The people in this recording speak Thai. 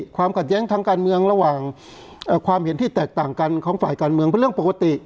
ความขัดแย้งทางการเมืองระหว่างความเห็นที่แตกต่างกันของฝ่ายการเมืองเป็นเรื่องปกติ